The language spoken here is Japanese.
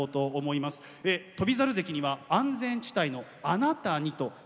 翔猿関には安全地帯の「あなたに」ということで。